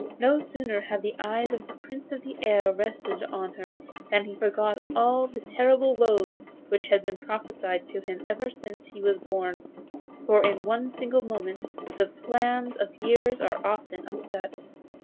No sooner had the eyes of the Prince of the Air rested on her than he forgot all the terrible woes which had been prophesied to him ever since he was born, for in one single moment the plans of years are often upset.